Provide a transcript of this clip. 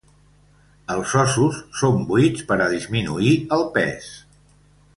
Els ossos són buits per a disminuir el pes.